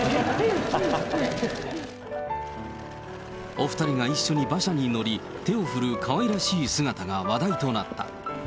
お２人が一緒に馬車に乗り、手を振るかわいらしい姿が話題となった。